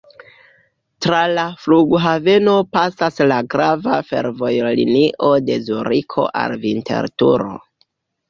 Tra la flughaveno pasas la grava fervojlinio de Zuriko al Vinterturo.